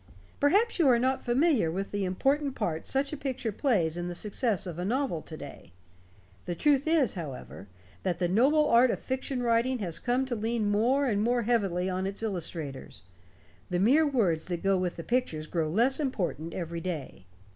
Perhaps you are not familiar with the important part such a picture plays in the success of a novel to day. The truth is, however, that the noble art of fiction writing has come to lean more and more heavily on its illustrators. The mere words that go with the pictures grow less important every day.